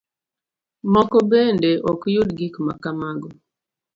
Moko bende ok yud gik makamago.